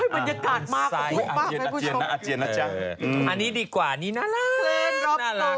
มันยากาศมากโอ้โฮมากครับคุณผู้ชมค่ะอาเจียนนะอาเจียนนะจ๊ะอันนี้ดีกว่านี่น่ารักน่ารัก